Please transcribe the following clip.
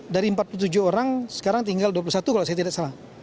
dari empat puluh tujuh orang sekarang tinggal dua puluh satu kalau saya tidak salah